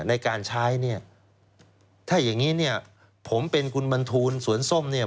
ในการใช้เนี่ยถ้าอย่างนี้เนี่ยผมเป็นคุณบรรทูลสวนส้มเนี่ย